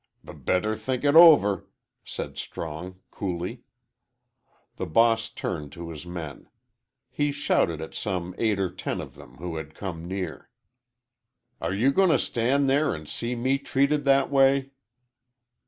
"B better think it over," said Strong, coolly. The boss turned to his men. He shouted at some eight or ten of them who had come near, "Are you going to stand there and see me treated that way."